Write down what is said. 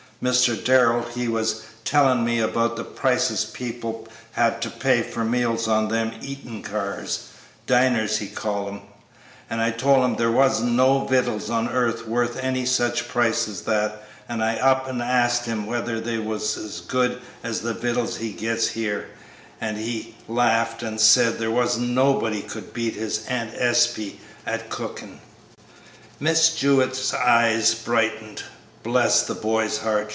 Mr. Darrell, he was tellin' me about the prices people had to pay for meals on them eatin' cars, 'diners' he called 'em, and I told him there wasn't no vittles on earth worth any such price as that, and I up and asked him whether they was as good as the vittles he gets here, and he laughed and said there wasn't nobody could beat his Aunt Espey at cookin'." Miss Jewett's eyes brightened. "Bless the boy's heart!"